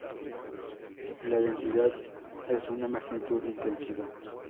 La densidad es una magnitud intensiva.